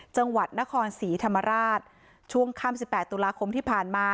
จังหวัดนครศรีธรรมราชช่วงค่ำสิบแปดตุลาคมที่ผ่านมา